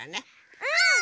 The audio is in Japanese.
うん。